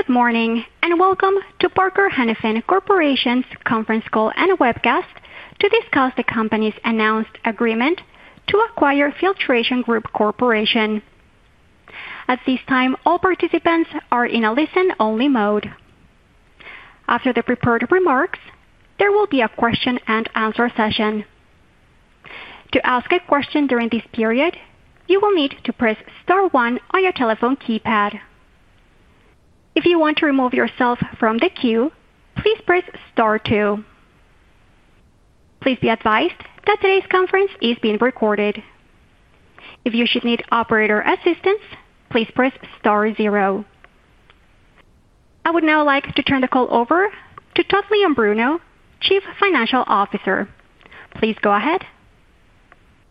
Good morning and welcome to Parker Hannifin Corporation's conference call and webcast to discuss the company's announced agreement to acquire Filtration Group Corporation. At this time, all participants are in a listen only mode. After the prepared remarks, there will be a question and answer session. To ask a question during this period, you will need to press star one on your telephone keypad. If you want to remove yourself from the queue, please press star two. Please be advised that today's conference is being recorded. If you should need operator assistance, please press star zero. I would now like to turn the call over to Todd Leombruno, Chief Financial Officer. Please go ahead.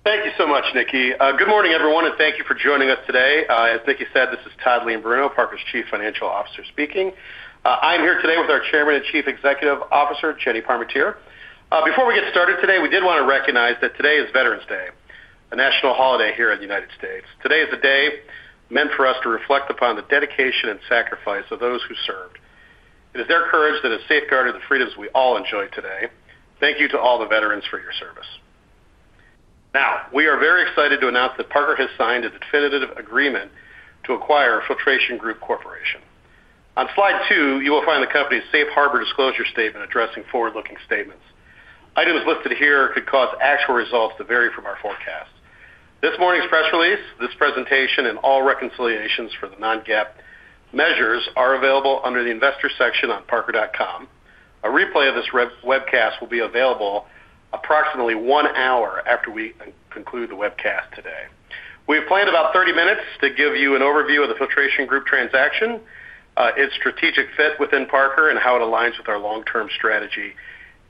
Thank you so much, Nikki. Good morning everyone and thank you for joining us today. As Nikki said, this is Todd Leombruno, Parker's Chief Financial Officer. I am here today with our Chairman and Chief Executive Officer Jenny Parmentier. Before we get started today, we did want to recognize that today is Veterans Day, a national holiday here in the United States. Today is the day meant for us to reflect upon the dedication and sacrifice of those who served. It is their courage that has safeguarded the freedoms we all enjoy today. Thank you to all the veterans for your service. Now we are very excited to announce that Parker has signed a definitive agreement to acquire Filtration Group Corporation. On slide 2 you will find the company's Safe Harbor disclosure statement addressing forward looking statements. Items listed here could cause actual results to vary from our forecast. This morning's press release. This presentation and all reconciliations for the non-GAAP measures are available under the investor section on parker.com. A replay of this webcast will be available approximately one hour after we conclude the webcast. Today we have planned about 30 minutes to give you an overview of the Filtration Group transaction, its strategic fit within Parker and how it aligns with our long term strategy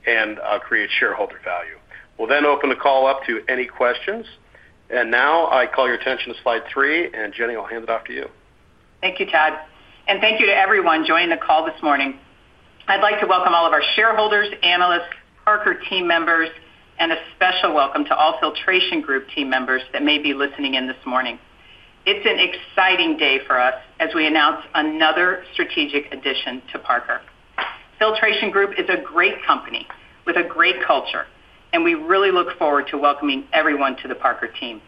and creates shareholder value. We'll then open the call up to any questions. I call your attention to slide three. Jenny, I'll hand it off to you. Thank you, Todd. Thank you to everyone joining the call this morning. I'd like to welcome all of our shareholders, analysts, Parker team members, and a special welcome to all Filtration Group team members that may be listening in this morning. It's an exciting day for us as we announce another strategic addition to Parker. Filtration Group is a great company with a great culture, and we really look forward to welcoming everyone to the Parker team.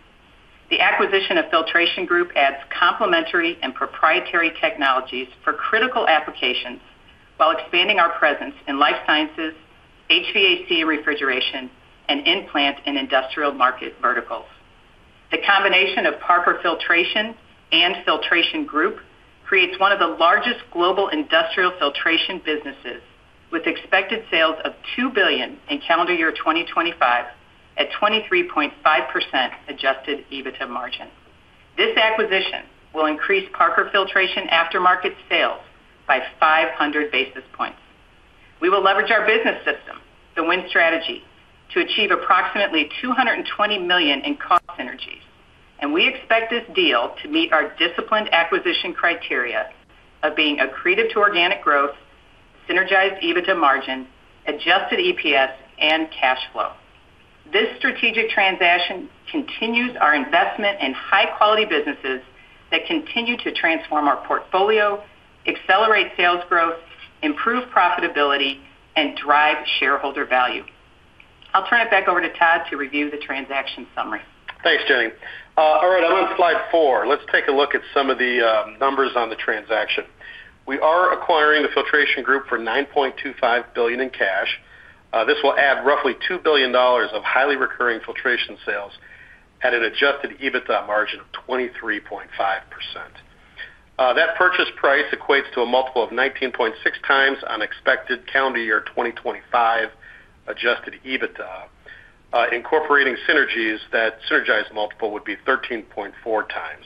The acquisition of Filtration Group adds complementary and proprietary technologies for critical applications while expanding our presence in life sciences, HVAC, refrigeration, and in-plant and industrial market verticals. The combination of Parker Filtration and Filtration Group creates one of the largest global industrial filtration businesses with expected sales of $2 billion in calendar year 2025. At 23.5% Adjusted EBITDA margin, this acquisition will increase Parker filtration aftermarket sales by 500 basis points. We will leverage our business system, the WIN strategy, to achieve approximately $220 million in cost synergies and we expect this deal to meet our disciplined acquisition criteria of being accretive to organic growth, synergized EBITDA margin, Adjusted EPS, and cash flow. This strategic transaction continues our investment in high quality businesses that continue to transform our portfolio, accelerate sales growth, improve profitability, and drive shareholder value. I'll turn it back over to Todd to review the transaction summary. Thanks Jenny. All right, I'm on slide 4. Let's take a look at some of the numbers on the transaction. We are acquiring the Filtration Group for $9.25 billion in cash. This will add roughly $2 billion of highly recurring filtration sales at an Adjusted EBITDA margin of 23.5%. That purchase price equates to a multiple of 19.6 times on expected calendar year 2025 Adjusted EBITDA. Incorporating synergies, that synergized multiple would be 13.4 times.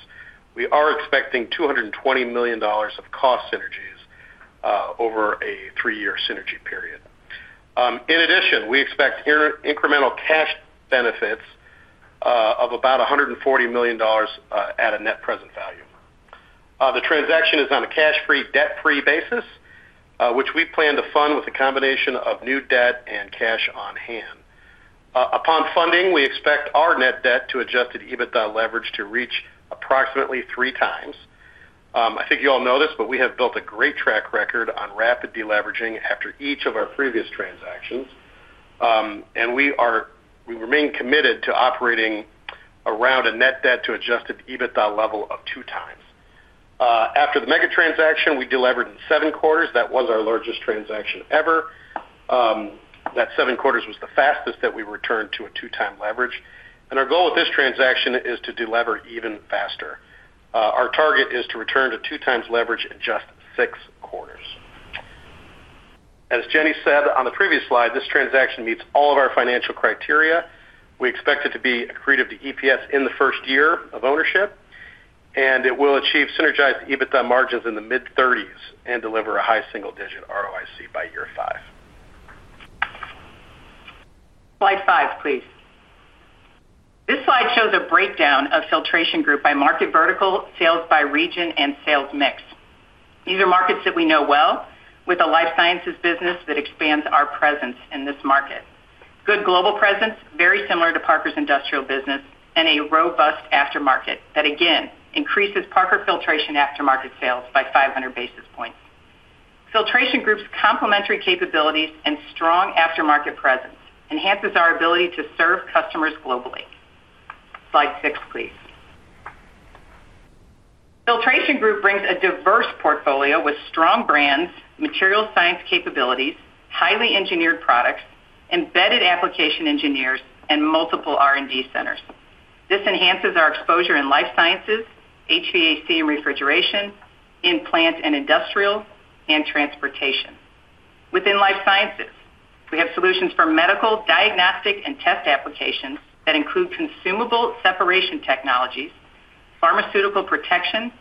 We are expecting $220 million of cost synergies over a three year synergy period. In addition, we expect incremental cash benefits of about $140 million at a net present value. The transaction is on a cash free, debt free basis which we plan to fund with a combination of new debt and cash on hand. Upon funding, we expect our net debt to Adjusted EBITDA leverage to reach approximately three times. I think you all know this, but we have built a great track record on rapid deleveraging after each of our previous transactions and we remain committed to operating around a net debt to Adjusted EBITDA level of two times. After the Meggitt transaction we delevered in seven quarters. That was our largest transaction ever. That seven quarters was the fastest that we returned to a two time leverage and our goal with this transaction is to delever even faster. Our target is to return to two times leverage in just six quarters. As Jenny said on the previous slide, this transaction meets all of our financial criteria. We expect it to be accretive to EPS in the first year of ownership and it will achieve synergized EBITDA margins in the mid-30% and deliver a high single digit ROIC by year 5. Slide 5 please. This slide shows a breakdown of Filtration Group by market, vertical sales by region, and sales mix. These are markets that we know well, with a life sciences business that expands our presence in this market, good global presence very similar to Parker's industrial business, and a robust aftermarket that again increases Parker Filtration Aftermarket sales by 500 basis points. Filtration Group's complementary capabilities and strong aftermarket presence enhances our ability to serve customers globally. Slide 6 please. Filtration Group brings a diverse portfolio with strong brands, material science capabilities, highly engineered products, embedded application engineers, and multiple R and D centers. This enhances our exposure in life sciences, HVAC and refrigeration, in plant and industrial, and transportation. Within Life Sciences we have solutions for medical, diagnostic and test applications that include consumable separation technologies, pharmaceutical protection,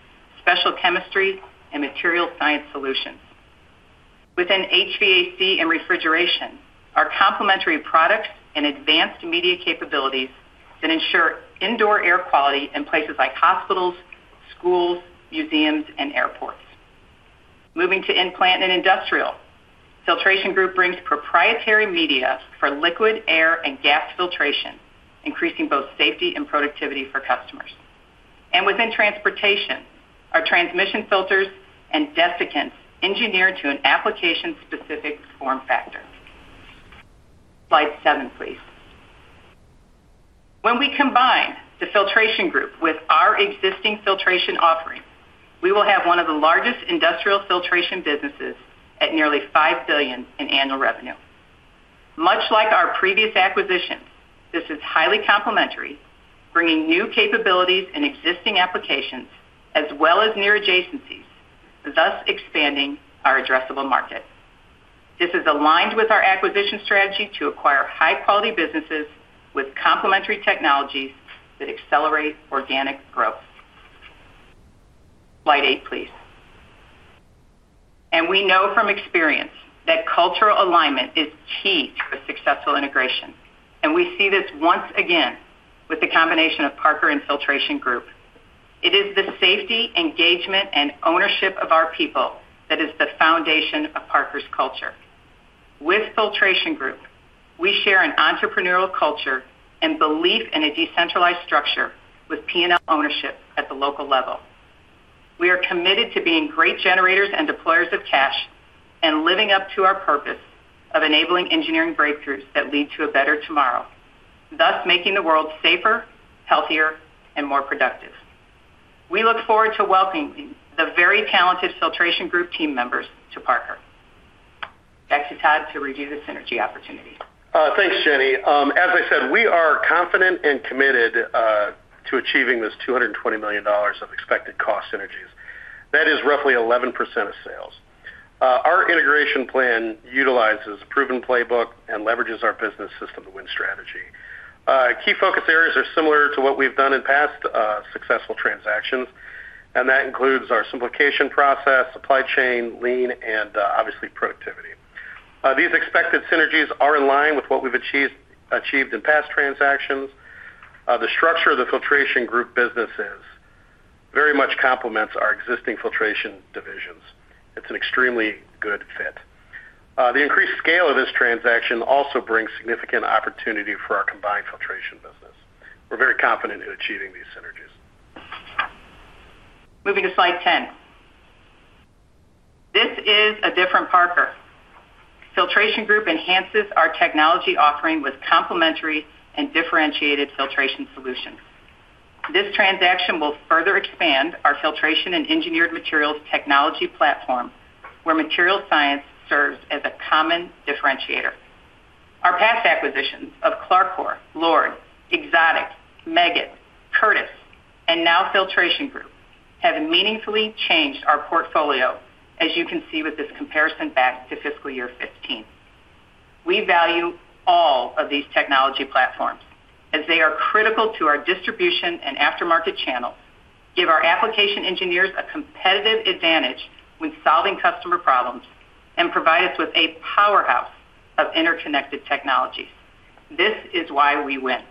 special chemistry and material science solutions. Within HVAC and refrigeration, our complementary products and advanced media capabilities ensure indoor air quality in places like hospitals, schools, museums and airports. Moving to in-plant and industrial, Filtration Group brings proprietary media for liquid, air and gas filtration, increasing both safety and productivity for customers. Within transportation are transmission filters and desiccants engineered to an application-specific form factor. Slide 7 please. When we combine the Filtration Group with our existing filtration offering, we will have one of the largest industrial filtration businesses at nearly $5 billion in annual revenue. Much like our previous acquisitions, this is highly complementary, bringing new capabilities in existing applications as well as near adjacencies, thus expanding our addressable market. This is aligned with our acquisition strategy to acquire high quality businesses with complementary technologies that accelerate organic growth. Slide 8 please and we know from experience that cultural alignment is key to a successful integration and we see this once again with the combination of Parker and Filtration Group. It is the safety, engagement and ownership of our people that is the foundation of Parker's culture. With Filtration Group we share an entrepreneurial culture and belief in a decentralized structure with P and L ownership at the local level. We are committed to being great generators and deployers of cash and living up to our purpose of enabling engineering breakthroughs that lead to a better tomorrow, thus making the world safer, healthier and more productive. We look forward to welcoming the very talented Filtration Group team members to Parker. Back to Todd to review the synergy opportunity. Thanks Jenny. As I said, we are confident and committed to achieving this $220 million of expected cost synergies that is roughly 11% of sales. Our integration plan utilizes a proven playbook and leverages our business system to WIN strategy. Key focus areas are similar to what we've done in past successful transactions and that includes our simplification process, supply chain, lean and obviously productivity. These expected synergies are in line with what we've achieved in past transactions. The structure of the Filtration Group business very much complements our existing filtration divisions. It's an extremely good fit. The increased scale of this transaction also brings significant opportunity for our combined filtration business. We're very confident in achieving these synergies. Moving to slide 10, this is a different Parker. Filtration Group enhances our technology offering with complementary and differentiated filtration solutions. This transaction will further expand our filtration and engineered materials technology platform, where material science serves as a common differentiator. Our past acquisitions of Clarcor, LORD Corporation, Meggitt, and now Filtration Group have meaningfully changed our portfolio. As you can see with this comparison back to fiscal year 2015. We value all of these technology platforms as they are critical to our distribution and aftermarket channel, give our application engineers a competitive advantage when solving customer problems, and provide us with a powerhouse of interconnected technologies. This is why we win.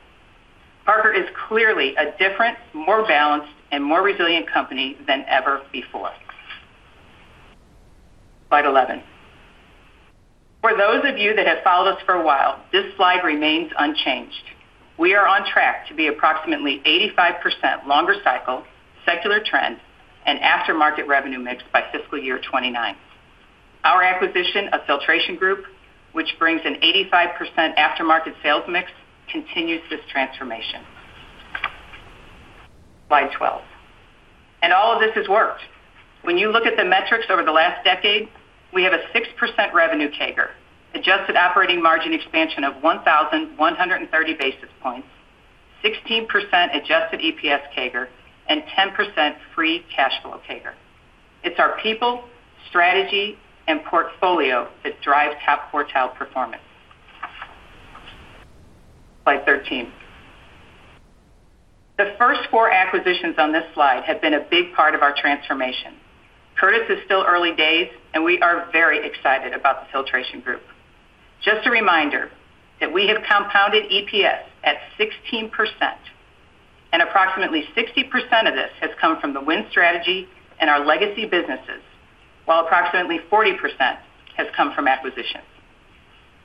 Parker is clearly a different, more balanced, and more resilient company than ever before. Slide 11, for those of you that have followed us for a while, this slide remains unchanged. We are on track to be approximately 85% longer cycle secular trend and aftermarket revenue mix by fiscal year 2029. Our acquisition of Filtration Group, which brings an 85% aftermarket sales mix, continues this transformation. Slide 12, and all of this has worked when you look at the metrics over the last decade. We have a 6% revenue CAGR, adjusted operating margin expansion of 1,130 basis points, 16% Adjusted EPS CAGR, and 10% free cash flow CAGR. It is our people, strategy, and portfolio that drive top quartile performance. Slide 13, the first four acquisitions on this slide have been a big part of our transformation. Curtis is still early days, and we are very excited about the Filtration Group. Just a reminder that we have compounded EPS at 16% and approximately 60% of this has come from the WIN strategy and our legacy businesses while approximately 40% has come from acquisitions.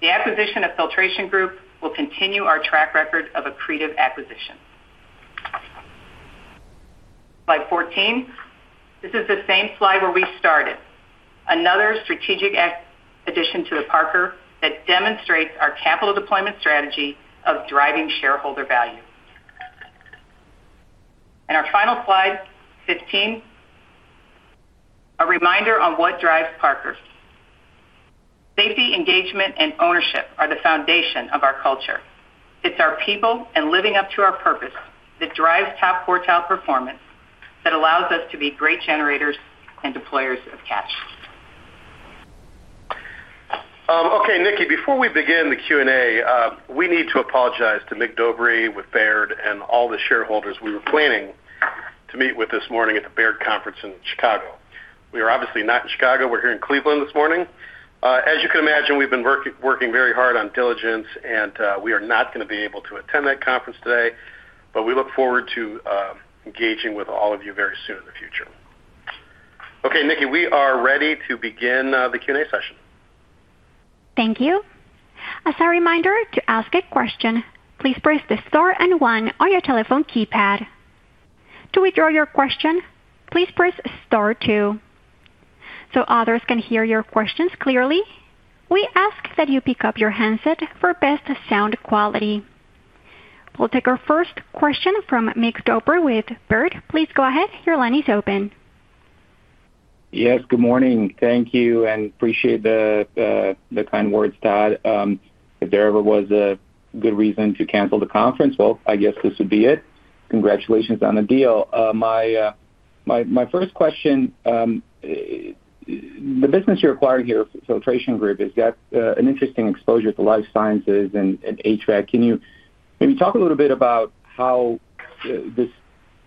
The acquisition of Filtration Group will continue our track record of accretive acquisitions. Slide 14, this is the same slide where we started, another strategic addition to Parker that demonstrates our capital deployment strategy of driving shareholder value. Our final slide 15, a reminder on what drives Parker. Safety, engagement and ownership are the foundation of our culture. It's our people and living up to our purpose that drives top quartile performance. That allows us to be great generators and deployers of cash. Okay, Nikki, before we begin the Q&A, we need to apologize to Mig Dobre with Baird and all the shareholders we were planning to meet with this morning at the Baird conference in Chicago. We are obviously not in Chicago. We're here in Cleveland this morning. As you can imagine, we've been working very hard on diligence and we are not going to be able to attend that conference today. We look forward to engaging with all of you very soon in the future. Okay, Nikki, we are ready to begin the Q&A session. Thank you. As a reminder, to ask a question, please press the star one on your telephone keypad. To withdraw your question, please press star two. So others can hear your questions clearly, we ask that you pick up your handset for best sound quality. We'll take our first question from Mig Dobre with Baird, please. Go ahead. Your line is open. Yes, good morning. Thank you and appreciate the kind words, Todd. If there ever was a good reason to cancel the conference, I guess this would be it. Congratulations on the deal. My first question. The business you're acquiring here, Filtration Group, has got an interesting exposure to life sciences and HVAC. Can you maybe talk a little bit? About how this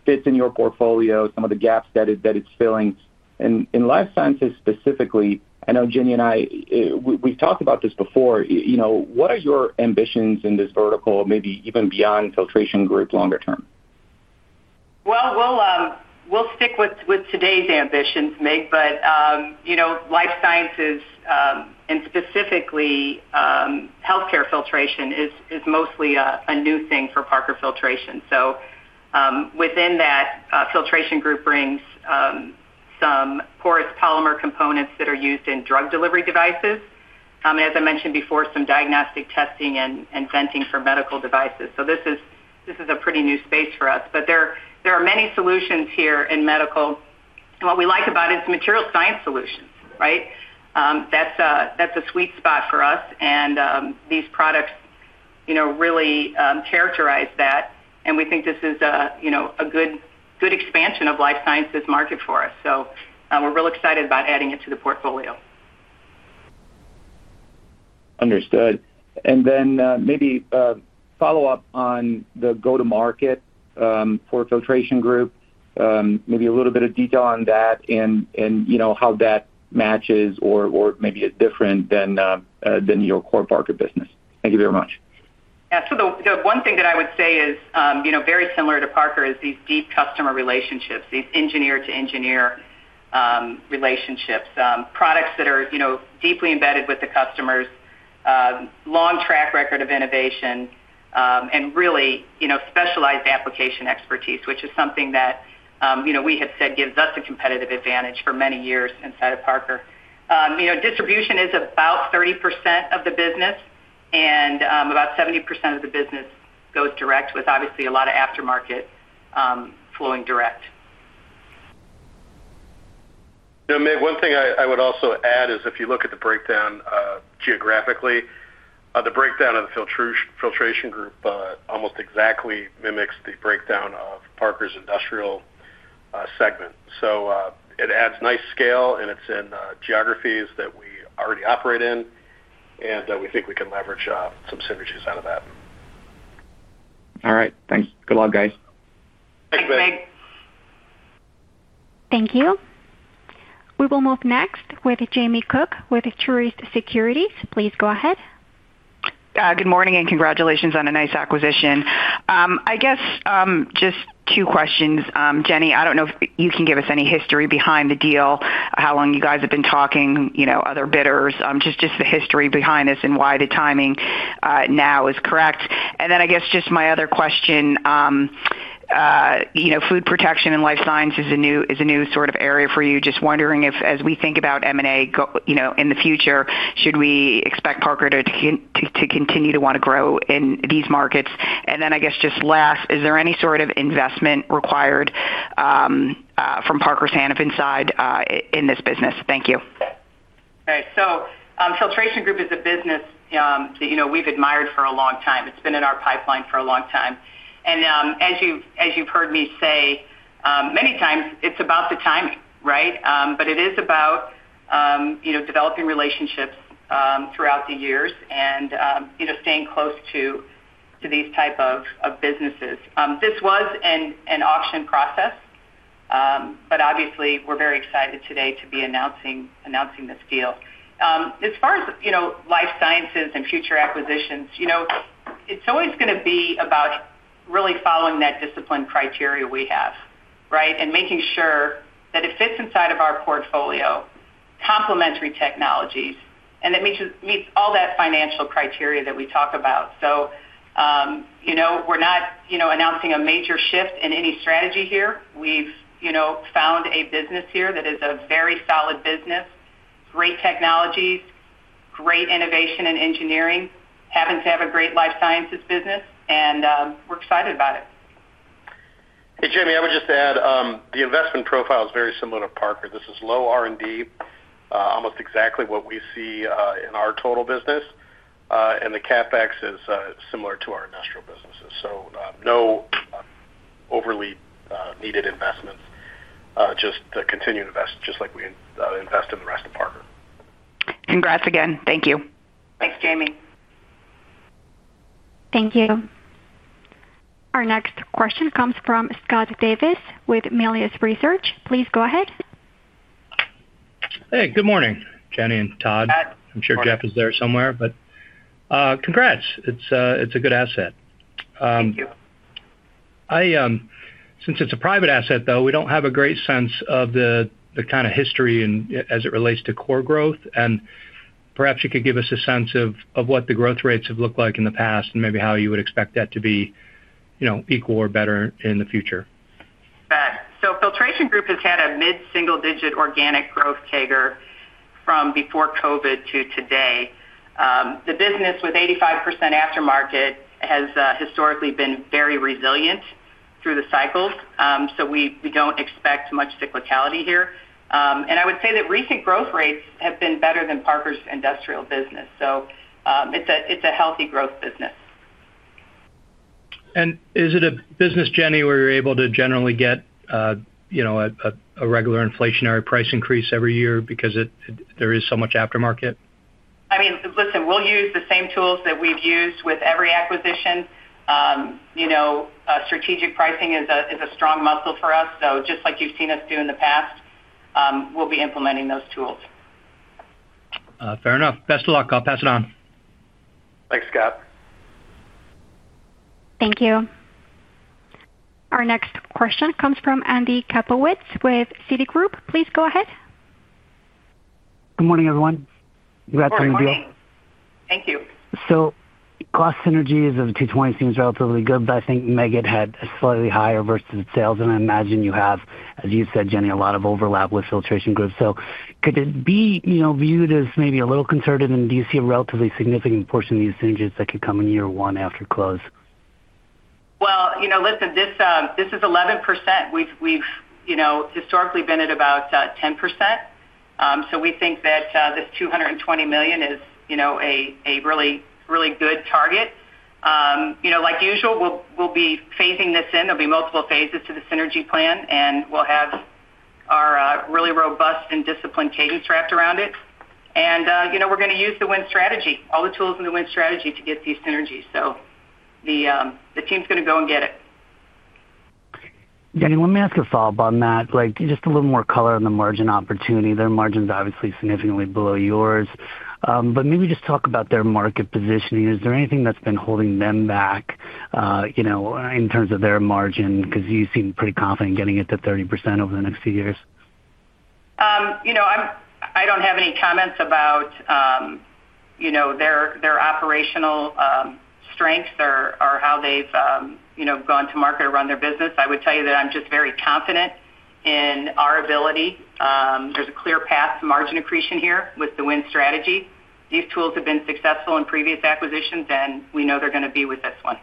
fits in your portfolio, some of the gaps that it's filling in Life Sciences specifically? I know, Jenny and I, we've talked about this before. You know, what are your ambitions in this vertical, maybe even beyond Filtration Group longer term? We'll stick with today's ambitions, Mig, but, you know, life sciences and specifically healthcare filtration is mostly a new thing for Parker Filtration. So within that, Filtration Group brings some porous polymer components that are used in drug delivery devices, as I mentioned before, some diagnostic testing and venting for medical devices. This is. This is a pretty new space for us, but there are many solutions here in medical, and what we like about it is material science solutions. Right. That's a sweet spot for us. These products really characterize that. We think this is a good expansion of life sciences market for us. We're real excited about adding it to the portfolio. Understood. Maybe follow up on the go to market for Filtration Group. Maybe a little bit of detail on that and how that matches or maybe it's different than your core Parker business. Thank you very much. The one thing that I would say is very similar to Parker is these deep customer relationships, these engineer to engineer relationships, products that are deeply embedded with the customers. Long track record of innovation and really specialized application expertise, which is something that we have said gives us a competitive advantage for many years. Inside of Parker distribution is about 30% of the business and about 70% of the business goes direct with obviously a lot of aftermarket flowing direct. One thing I would also add is if you look at the breakdown geographically, the breakdown of the Filtration Group almost exactly mimics the breakdown of Parker's industrial segment. It adds nice scale and it is in geographies that we already operate in. We think we can leverage some synergies out of that. All right, thanks. Good luck, guys. Thanks, Mig. Thank you. We will move next with Jamie Cook with Truist Securities. Please go ahead. Good morning and congratulations on a nice acquisition. I guess just two questions, Jenny. I don't know if you can give us any history behind the deal. How long you guys have been talking, other bidders, just the history behind this and why the timing now is correct. I guess just my other question. Food protection and life science is a new sort of area for you. Just wondering if, as we think about M and A in the future, should we expect Parker to continue to want to grow in these markets? I guess just last, is there any sort of investment required from Parker Hannifin side in this business? Thank you. Filtration Group is a business that, you know, we've admired for a long time. It's been in our pipeline for a long time. As you know, as you've heard me say many times, it's about the timing. Right. It is about developing relationships throughout the years and staying close to these type of businesses. This was an auction process, but obviously we're very excited today to be announcing this deal. As far as life sciences and future acquisitions, it's always going to be about really following that discipline criteria we have. Right. Making sure that it fits inside of our portfolio, complementary technologies, and that it meets all that financial criteria that we talk about. We're not announcing a major shift in any strategy here. We've found a business here that is a very solid business. Great technologies, great, great innovation in engineering, happens to have a great life sciences business, and we're excited about it. Hey, Jamie, I would just add the investment profile is very similar to Parker. This is low R&D, almost exactly what we see in our total business, and the CapEx is similar to our industrial businesses. No overly needed investments, just continued invest just like we invest in the rest of Parker. Congrats again. Thank you. Thanks Jamie. Thank you. Our next question comes from Scott Davis with Melius Research. Please go ahead. Hey, good morning Jenny and Todd. I'm sure Jeff is there somewhere, but congrats. It's a good asset. Since it's a private asset though, we don't have a great sense of the kind of history as it relates to core growth and perhaps you could give us a sense of what the growth rates have looked like in the past and maybe how you would expect that to be equal or better in the future. Filtration Group has had a mid single digit organic growth CAGR from before COVID to today. The business with 85% aftermarket has historically been very resilient through the cycles. We do not expect much cyclicality here. I would say that recent growth rates have been better than Parker's industrial business. It is a healthy growth business. Is it a business, Jenny, where you're able to generally get, you know, a regular inflationary price increase every year because there is so much aftermarket? I mean, listen, we'll use the same tools that we've used with every acquisition. You know, strategic pricing is a strong muscle for us. So just like you've seen us do in the past, we'll be implementing those tools. Fair enough. Best of luck. I'll pass it on. Thanks, Scott. Thank you. Our next question comes from Andy Kapowitz with Citigroup. Please go ahead. Good morning everyone. Congrats on your deal. Thank you. Cost synergies of $220 million seems relatively good, but I think Meggitt had slightly higher versus sales and I imagine you have, as you said Jenny, a lot of overlap with Filtration Group. Could it be viewed as maybe a little conservative? Do you see a relatively significant portion of the synergies that could come in year one after close? This is 11%. We've, you know, historically been at about 10%. We think that this $220 million is, you know, a really, really good target. You know, like usual, we'll be phasing this in. There will be multiple phases to the synergy plan and we'll have our really robust and disciplined cadence wrapped around it. You know, we're going to use the WIN strategy, all the tools in the WIN strategy to get these synergies so the team's going to go and get it. Let me ask a follow up on that. Like just a little more color on the margin opportunity. Their margins obviously significantly below yours, but maybe just talk about their market positioning. Is there anything that's been holding them back, you know, in terms of their margin? Because you seem pretty confident getting it to 30% over the next few years. You know, I don't have any comments about, you know, their operational strengths or how they've, you know, gone to market or run their business. I would tell you that I'm just very confident in our ability. There's a clear path to margin accretion here with the WIN strategy. These tools have been successful in previous acquisitions and we know they're going to be with this one.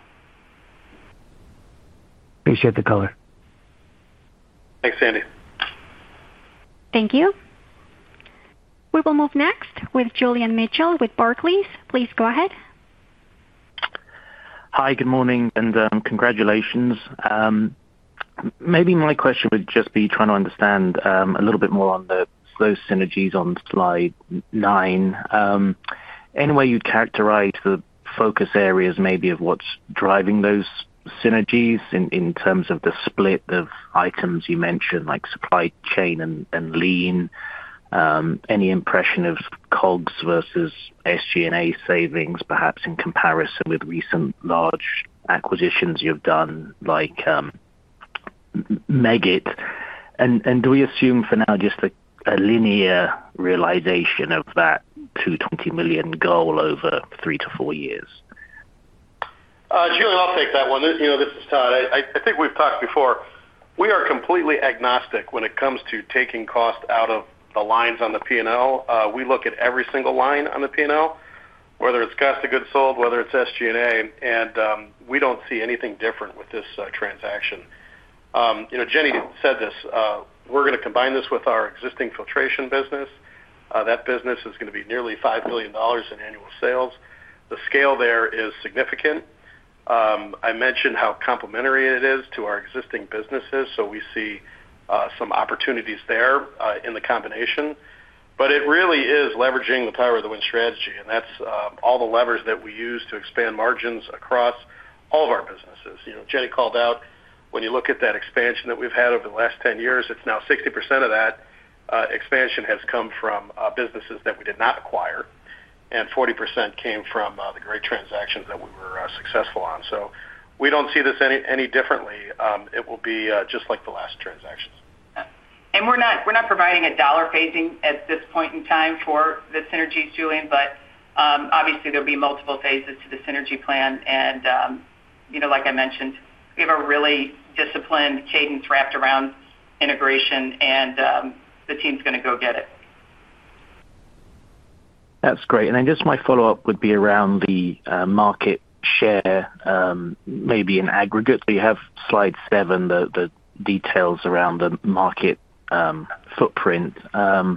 Appreciate the color. Thanks, Andy. Thank you. We will move next with Julian Mitchell with Barclays. Please go ahead. Hi, good morning and congratulations. Maybe my question would just be trying to understand a little bit more on those synergies on slide 9. Any way you'd characterize the focus areas maybe of what's driving those synergies in terms of the split of items you mentioned, like supply chain and Lean. Any impression of COGS versus SG&A savings, perhaps, in comparison with recent large acquisitions you've done like Meggitt, and do we assume for now just a linear realization of that $220 million goal over three to four years? Julian, I'll take that one. You know, this is Todd. I think we've talked before. We are completely agnostic when it comes to taking cost out of the lines on the P&L. We look at every single line on the P&L, whether it's cost of goods sold, whether it's SG&A. We don't see anything different with this transaction. You know, Jenny said this. We're going to combine this with our existing filtration business. That business is going to be nearly $5 billion in annual sales. The scale there is significant. I mentioned how complementary it is to our existing businesses. We see some opportunities there in the combination. It really is leveraging the power of the WIN strategy and that's all the levers that we use to expand margins across all of our businesses. Jenny called out, when you look at that expansion that we've had over the last 10 years, it's now 60% of that expansion has come from businesses that we did not acquire and 40% came from the great transactions that we were successful on. We do not see this any differently. It will be just like the last transactions. We're not providing a dollar phasing at this point in time for the synergies, Julian. Obviously there will be multiple phases to the synergy plan. Like I mentioned, we have a really disciplined cadence wrapped around integration and the team's going to go get it. That's great. Just my follow up would be around the market share, maybe in aggregate. You have slide 7, the details around the market footprint. I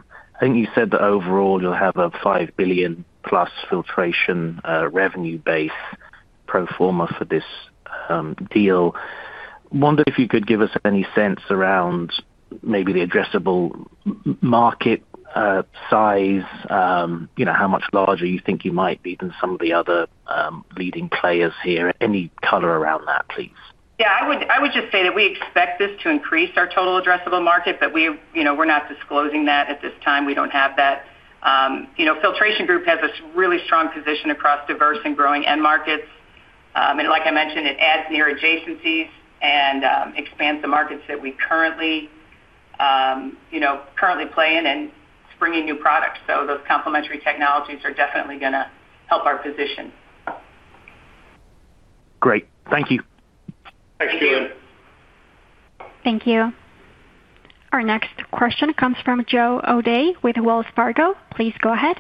think you said that overall you'll have a $5 billion plus filtration revenue base pro forma for this deal. Wonder if you could give us any sense around maybe the addressable market size, you know, how much larger you think you might be than some of the other leading players here. Any color around that, please? Yeah, I would just say that we expect this to increase our total addressable market, but we, you know, we're not disclosing that at this time. We don't have that. You know, Filtration Group has a really strong position across diverse and growing end markets. And like I mentioned, it adds near adjacencies and expands the markets that we currently, you know, currently play in and springing new products. So those complementary technologies are definitely going to help our position. Great, thank you. Thanks, Julian. Thank you. Our next question comes from Joe O Dea with Wells Fargo. Please go ahead.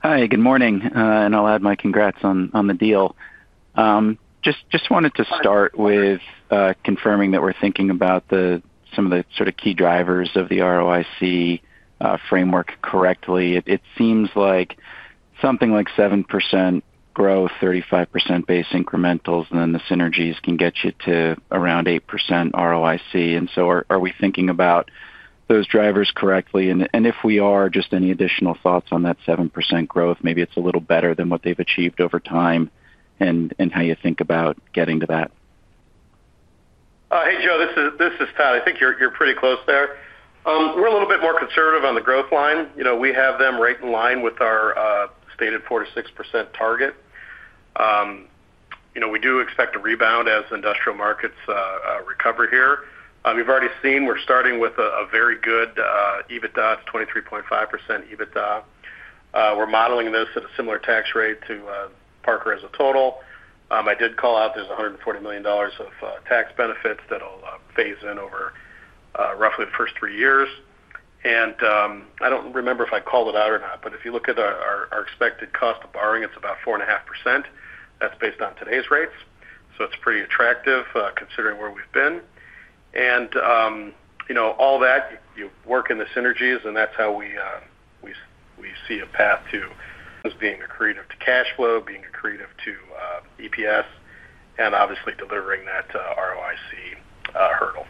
Hi, good morning. I'll add my congrats on the deal. Just wanted to start with confirming that we're thinking about some of the sort of key drivers of the ROIC framework correctly. It seems like something like 7% growth, 35% base incrementals, and then the synergies can get you to around 8% ROIC. Are we thinking about those drivers correctly? If we are, just any additional thoughts on that 7% growth? Maybe it's a little better than what they've achieved over time and how you think about getting to that. Hey, Joe, this is Todd. I think you're pretty close there. We're a little bit more conservative on the growth line. You know, we have them right in line with our stated 4-6% target. You know, we do expect to rebound as industrial markets recover here. You've already seen we're starting with a very good EBITDA, 23.5% EBITDA. We're modeling this at a similar tax rate to Parker. As a total I did call out, there's $140 million of tax benefits that will phase in over roughly the first three years. I don't remember if I called it out or not. If you look at our expected cost of borrowing, it's about 4.5%. That's based on today's rates. It's pretty attractive considering where we've been and you know, all that. You work in the synergies and that's how we see a path to, as being accretive to cash flow, being accretive to EPS and obviously delivering that ROIC hurdle.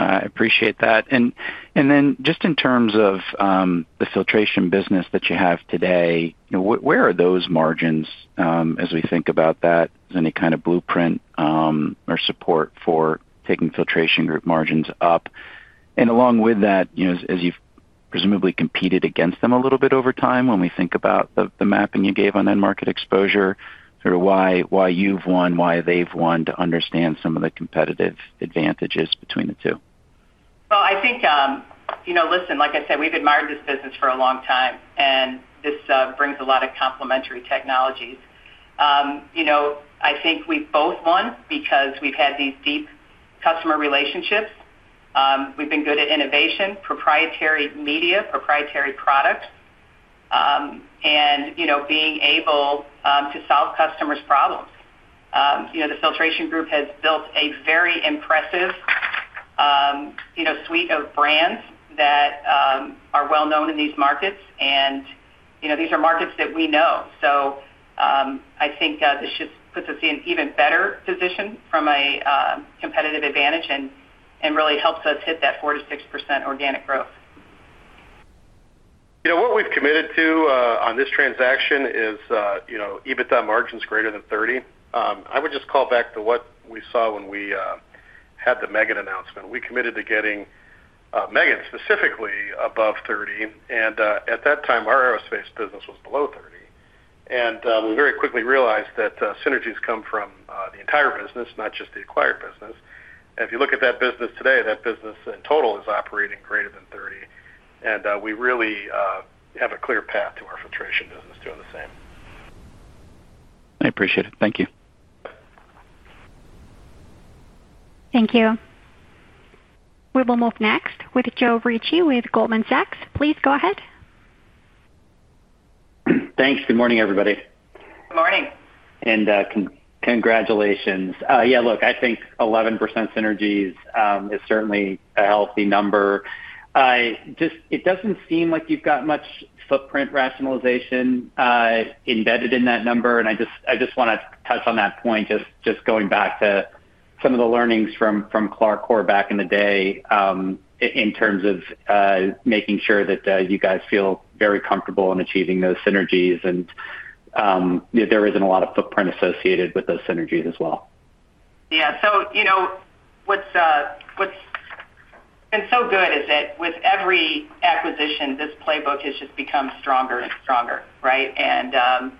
I appreciate that. And then just in terms of the filtration business that you have today, where are those margins as we think about that is any kind of blueprint or support for taking Filtration Group margins up and along with that, as you've presumably competed against them a little bit over time, when we think about the mapping you gave on end market exposure, why you've won, why they've won, to understand some of the competitive advantages between the two. Well, I think, you know, listen, like I said, we've admired this business for a long time and this brings a lot of complementary technologies. You know, I think we both won because we've had these deep customer relationships. We've been good at innovation, proprietary media, proprietary product and being able to solve customers problems. The Filtration Group has built a very impressive suite of brands that are well known in these markets and these are markets that we know. So I think this just puts us in even better position from a competitive advantage and really helps us hit that 4 to 6% organic growth. You know, what we've committed to on this transaction is EBITDA margins greater than 30. I would just call back to what we saw when we had the Megan announcement. We committed to getting Megan specifically above 30. And at that time our aerospace business was below 30. And we very quickly realized that synergies come from the entire business, not just the acquired business. If you look at that business today, that business in total is operating greater than 30. And we really have a clear path to our filtration business doing the same. I appreciate it. Thank you. Thank you. We will move next with Joe Ritchie with Goldman Sachs. Please go ahead. Thanks. Good morning, everybody. Good morning. Congratulations. Yeah, look, I think 11% synergies is certainly a healthy number. It doesn't seem like you've got much footprint rationalization embedded in that number. I just want to touch on that point. Just going back to some of the learnings from Clarcor back in the day in terms of making sure that you guys feel very comfortable in achieving those synergies. There isn't a lot of footprint associated with those synergies as well. Yeah. So you know what's been so good is that with every acquisition this playbook has just become stronger and stronger. Right. And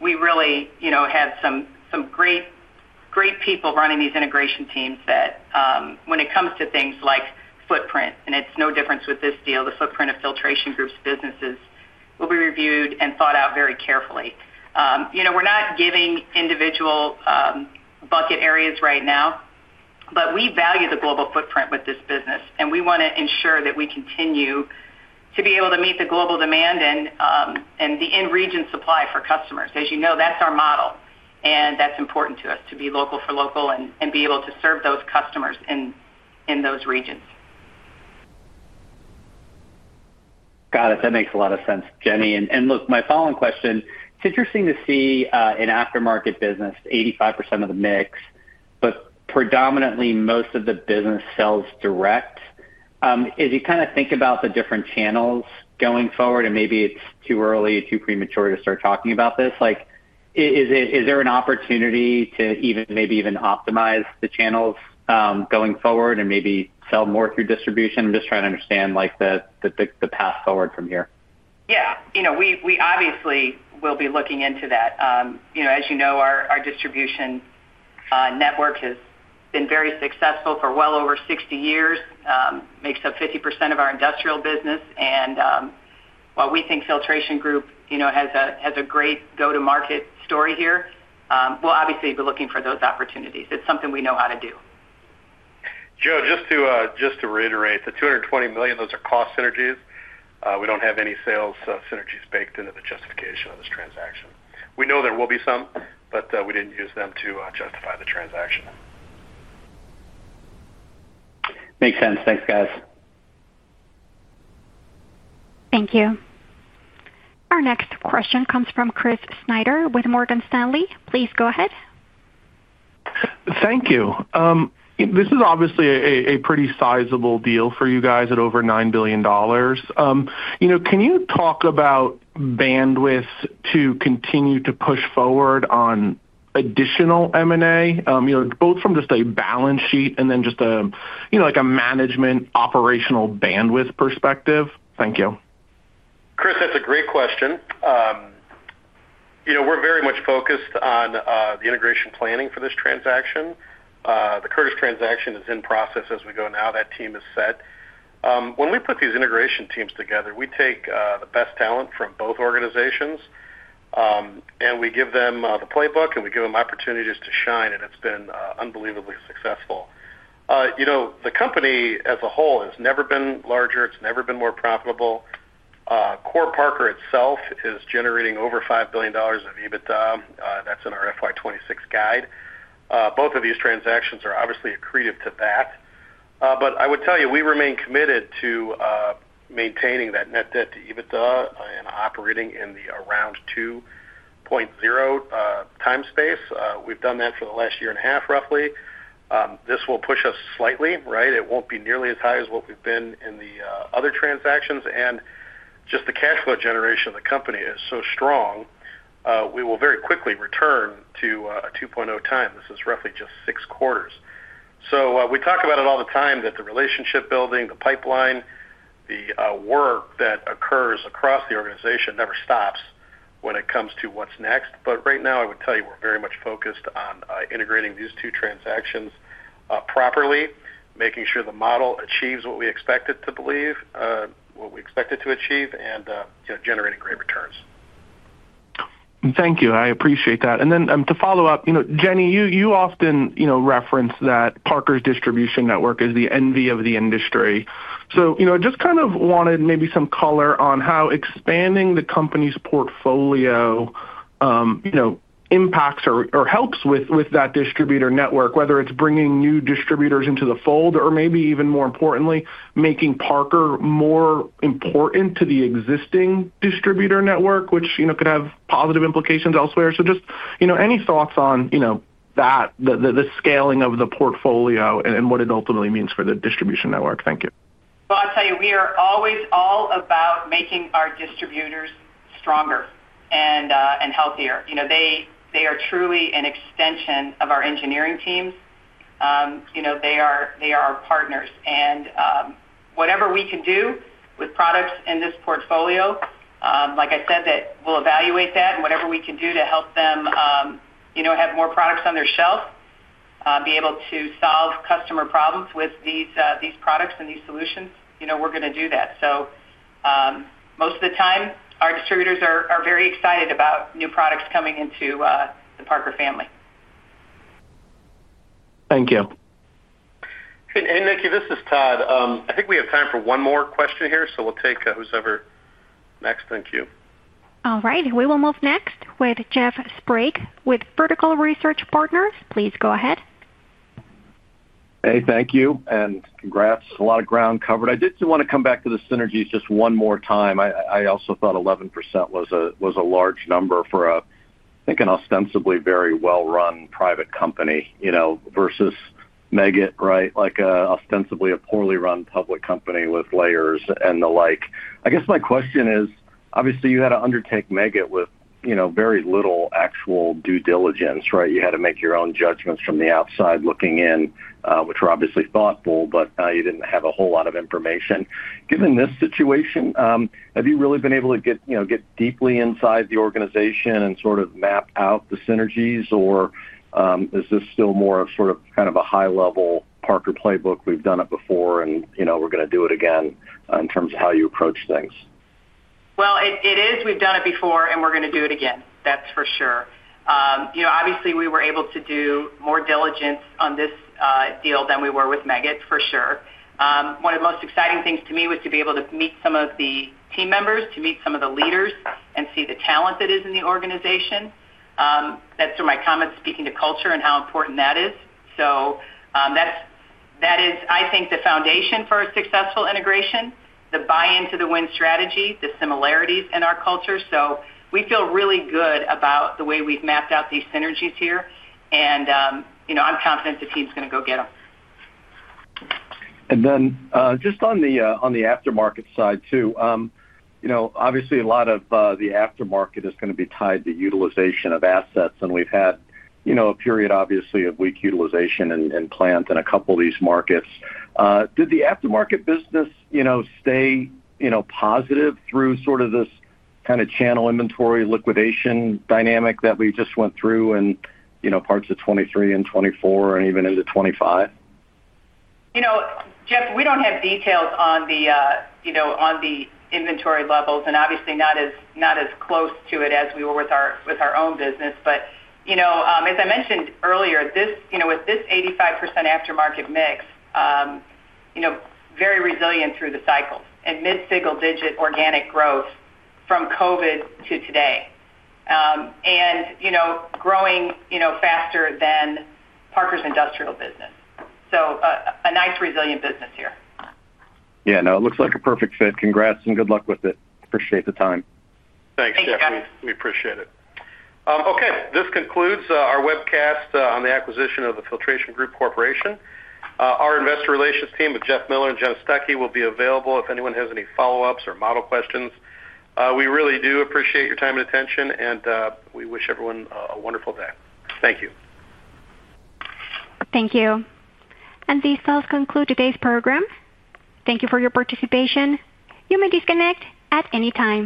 we really have some great people running these integration teams that when it comes to things like footprint and it's no difference with this deal, the footprint of filtration groups, businesses will be reviewed and thought out very carefully. You know, we're not giving individual bucket areas right now, but we value the global footprint with this business and we want to ensure that we continue to be able to meet the global demand and the in region supply for customers. As you know, that's our model and that's important to us to be local for local and be able to serve those customers in, in those regions. Got it. That makes a lot of sense, Jenny. And look, my following question. It's interesting to see an aftermarket business, 85% of the mix, but predominantly most of the business sells direct. As you kind of think about the. Different channels going forward and maybe it's too early, too premature to start talking about this. Like is it, is there an opportunity to even, maybe even optimize the channels going forward and maybe sell more through distribution? I'm just trying to understand like the path forward from here. Yeah, you know, we obviously will be looking into that. You know, as you know, our distribution network has been very successful for well over 60 years. Makes up 50% of our industrial business. And while we think Filtration Group, you know, has a great go to market story here, we'll obviously be looking for those opportunities. It's something we know how to do. Joe, just to reiterate the $220 million, those are cost synergies. We do not have any sales synergies baked into the justification of this transaction. We know there will be some, but we did not use them to justify the transaction. Makes sense. Thanks guys. Thank you. Our next question comes from Chris Snyder with Morgan Stanley. Please go ahead. Thank you. This is obviously a pretty sizable deal for you guys at over $9 billion. You know, can you talk about bandwidth. To continue to push forward on additional. M&A, you know, both from just a balance sheet and then just, you know, like a management operational bandwidth perspective. Thank you, Chris. That's a great question. You know, we're very much focused on the integration planning for this transaction. The Curtis transaction is in process as we go now. That team is set. When we put these integration teams together, we take the best talent from both organizations and we give them the playbook and we give them opportunities to shine. And it's been unbelievably successful. You know, the company as a whole has never been larger, it's never been more profitable. Core Parker itself is generating over $5 billion of EBITDA. That's in our FY26 guide. Both of these transactions are obviously accretive to that. I would tell you we remain committed to maintaining that net debt to EBITDA and operating in the around 2.0 times space. We've done that for the last year and a half, roughly. This will push us slightly, right? It won't be nearly as high as what we've been in the other transactions. And just the cash flow generation of the company is so strong, we will very quickly return to a 2.0 times. This is roughly just six quarters. So we talk about it all the time. That the relationship building the pipeline, the work that occurs across the organization never stops when it comes to what's next. Right now I would tell you we're very much focused on integrating these two transactions properly. Making sure the model achieves what we expect it to achieve, and generating great returns. Thank you. I appreciate that. And then to follow up, Jenny, you often reference that Parker's distribution network is. The envy of the industry. I just wanted maybe some color on how expanding the company's portfolio impacts or helps with that distributor network. Whether it's bringing new distributors into the fold or maybe even more importantly making Parker more important to the existing distributor network, which could have positive implications elsewhere. So just any thoughts on that, the. Scaling of the portfolio and what it ultimately means for the distribution network? Thank you. I'll tell you, we are always all about making our distributors stronger and healthier. They are truly an extension of our engineering teams. They are our partners. And whatever we can do with products in this portfolio, like I said that we'll evaluate that and whatever we can do to help them have more products on their shelf, be able to solve customer problems with these products and these solutions. You know we're going to do that. So most of the time our distributors are very excited about new products coming into the Parker family. Thank you. Nikki, this is Todd. I think we have time for one more question here. So we'll take whoever next. Thank you. All right, we will move next with Jeff Sprague with Vertical Research Partners. Please go ahead. Hey, thank you and congrats. A lot of ground covered. I did want to come back to the synergies just one more time. I also thought 11% was a large number for I think an ostensibly very well run private company, you know, versus Megat. Right. Like ostensibly a poorly run public company with layers and the like. I guess my question is obviously you had to undertake Megat with, you know, very little actual due diligence. Right. You had to make your own judgments. From the outside looking in, which were. Obviously thoughtful, but you didn't have a. Whole lot of information. Given this situation, have you really been able to get, you know, get deeply inside the organization and sort of map out the synergies or is this still more of sort of kind of a high level Parker playbook? We've done it before and you know, we're going to do it again in. Terms of how you approach things. Well, it is. We've done it before and we're going to do it again, that's for sure. You know, obviously we were able to do more diligence on this deal than we were with Meggitt for sure. One of the most exciting things to me was to be able to meet some of the team members, to meet some of the leaders and see the talent that is in the organization. That's through my comments speaking to culture and how important that is. So that is I think the foundation for a successful integration, the buy in to the wind strategy, the similarities in our culture. So we feel really good about the way, way we've mapped out these synergies here. And you know, I'm confident the team's going to go get them. And then just on the, on the aftermarket side too, you know, obviously a lot of the aftermarket is going to be tied to utilization of assets and we've had, you know, a period obviously of weak utilization and plant in a. Couple of these markets. Did the aftermarket business, you know, stay positive through sort of this kind of channel inventory liquidation dynamic that we just went through and parts of 23 and 24 and even into 25. You know, Jeff, we don't have details on the, you know, on the inventory levels and obviously not as close to it as we were with our, with our own business. But you know, as I mentioned earlier, this, you know, with this 85% after market mix, you know, very resilient through the cycles and mid single digit organic growth from COVID to today and you know, growing, you know, faster than Parker's industrial business. So a nice resilient business here. Yeah, no, it looks like a perfect fit. Congrats and good luck with it. Appreciate the time. Thanks Jeff. We appreciate it. Okay. This concludes our webcast on the acquisition of the Filtration Group Corporation. Our investor relations team of Jeff Miller and Jenna Stuckey will be available if anyone has any follow ups or model questions. We really do appreciate your time and attention and we wish everyone a wonderful day. Thank you. Thank you. And these does conclude today's program. Thank you for your participation. You may disconnect at any time.